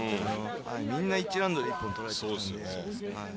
みんな１ラウンドで一本取られているので。